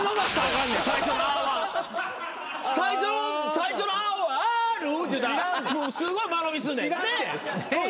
最初の「あ」を「ある」って言ったらもうすごい間延びすんねんねっ？